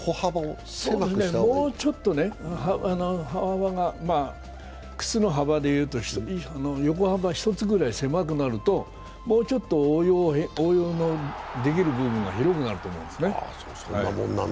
もうちょっと靴の幅で言うと横幅１つぐらい狭くなると、もうちょっと応用のできる部分が広くなると思うんですね。